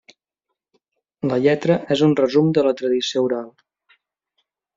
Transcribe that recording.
La lletra és un resum de la tradició oral.